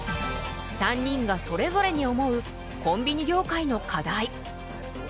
３人がそれぞれに思うコンビニ業界の課題。